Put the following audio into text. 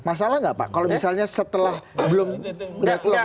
masalah nggak pak kalau misalnya setelah belum deadlock